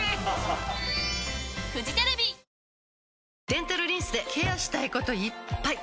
デンタルリンスでケアしたいこといっぱい！